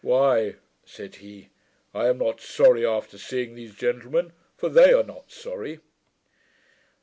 'Why,' said he, 'I am not sorry, after seeing these gentlemen; for they are not sorry.'